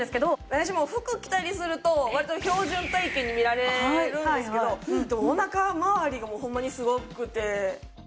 私も服着たりすると割と標準体形に見られるんですけどお腹まわりがホンマにすごくて。